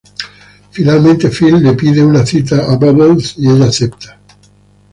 Finalmente, Phil le pide una cita a Bubbles y ella acepta.